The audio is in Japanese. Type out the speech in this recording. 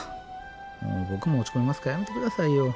もうボクも落ち込みますからやめて下さいよ。